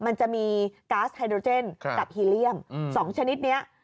มันจะมีก๊าซไฮโดรเจนกับฮีเลียม๒ชนิดนี้